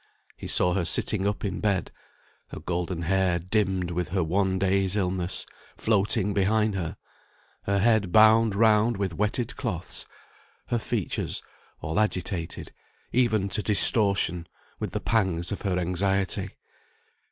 He saw her sitting up in bed, her golden hair, dimmed with her one day's illness, floating behind her, her head bound round with wetted cloths, her features all agitated, even to distortion, with the pangs of her anxiety.